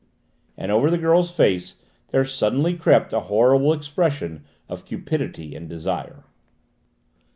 and over the girl's face there suddenly crept a horrible expression of cupidity and desire.